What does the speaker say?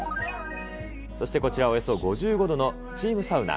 そしてこちら、およそ５５度のスチームサウナ。